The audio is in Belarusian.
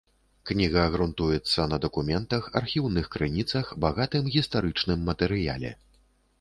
Кніга грунтуецца на дакументах, архіўных крыніцах, багатым гістарычным матэрыяле.